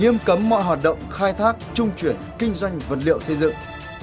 nghiêm cấm mọi hoạt động khai thác trung chuyển kinh doanh vật liệu xây dựng